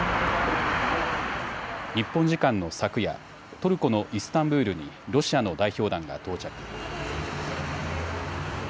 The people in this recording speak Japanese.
日本時間の昨夜、トルコのイスタンブールにロシアの代表団が到着。